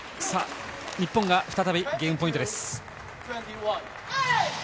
日本が再びゲームポイントです。